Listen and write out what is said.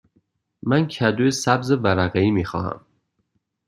من کدو سبز ورقه ای می خواهم.